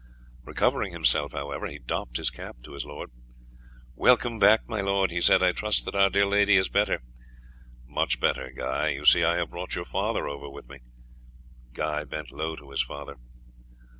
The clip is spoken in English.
Recovering himself, however, he doffed his cap to his lord. "Welcome back, my lord!" he said. "I trust that our dear lady is better." "Much better, Guy. You see I have brought your father over with me." Guy bent low to his father.